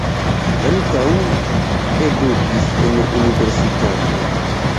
Li ankaŭ edukis en universitato.